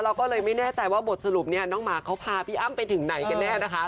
เราก็เลยไม่แน่ใจว่าบทสรุปเนี่ยน้องหมาเขาพาพี่อ้ำไปถึงไหนกันแน่นะคะ